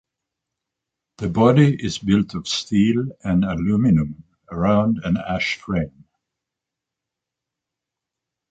The body is built of steel and aluminum around an ash frame.